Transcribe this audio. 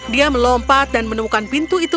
dia melompat dan menemukan pintu itu